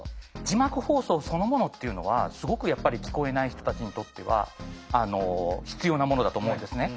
字幕放送そのものっていうのはすごくやっぱり聞こえない人たちにとっては必要なものだと思うんですね。